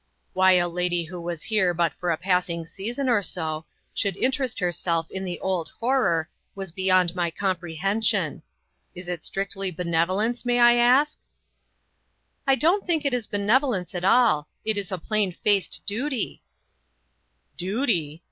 Why a lady who was here but for a passing season or so, should interest herself in the old horror, was beyond my comprehension. Is it strictly benevolence, may I ask?" " I don't think it is benevolence at all. It is a plain faced duty." A "FANATIC." 167 " Duty !